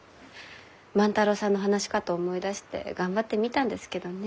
万太郎さんの話し方思い出して頑張ってみたんですけどね。